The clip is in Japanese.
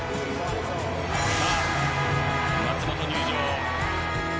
さあ松本入場。